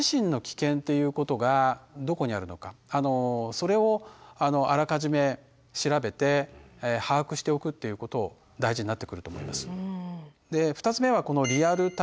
それをあらかじめ調べて把握しておくということを大事になってくると思います。